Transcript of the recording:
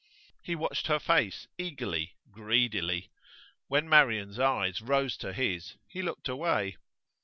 He watched her face eagerly, greedily. When Marian's eyes rose to his he looked away.